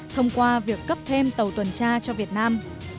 thông qua việc cấp thêm tàu tuần tra cho việt nam